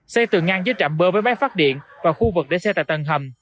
xây từ ngang dưới trạm bơ với máy phát điện và khu vực để xe tại tầng hầm